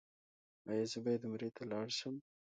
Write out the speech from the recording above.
ایا زه باید عمرې ته لاړ شم؟